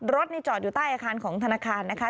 รถนี่จอดอยู่ใต้อาคารของธนาคารนะคะ